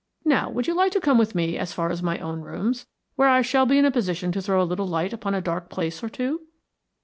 Now would you like to come with me as far as my own rooms, where I shall be in a position to throw a little light upon a dark place or two?"